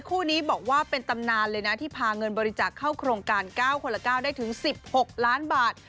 คู่นี้บอกว่าเป็นตำนานเลยนะที่พาเงินบริจาคเข้าโครงการ๙คนละ๙ได้ถึง๑๖ล้านบาท